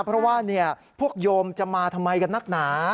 เพราะว่าพวกโยมจะมาทำไมกันนักหนา